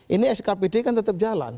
ini skpd kan tetap jalan